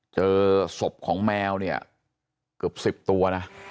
เจอศพของแมวเนี่ยเกือบ๑๐ตัวนะ